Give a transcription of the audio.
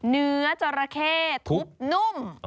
เนื้อจราเข้ทุบนุ่ม